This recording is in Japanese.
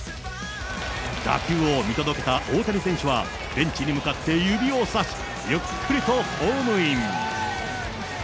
打球を見届けた大谷選手は、ベンチに向かって指をさし、ゆっくりとホームイン。